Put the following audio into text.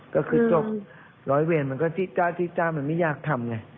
ก็คือจบร้อยเวรมันก็จ้าที่จ้ามันไม่อยากทำไง